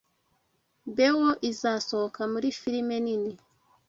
Bewo izasohoka muri firime nini